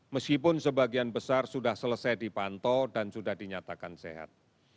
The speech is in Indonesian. meskipun sebagian besar sudah selesai dipantau dan sudah dinyatakan sehat